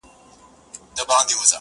و مقام د سړیتوب ته نه رسېږې،